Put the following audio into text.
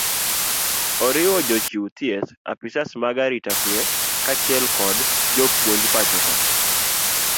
oriwo jochiw thieth ,apisas mag arita kwee kaachiel kod jopuony pacho ka